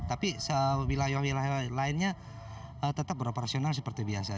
tapi wilayah wilayah lainnya tetap beroperasional seperti biasa